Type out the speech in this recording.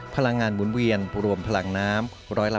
พลังงานหมุนเวียนรวมพลังน้ำ